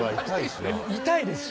痛いですし。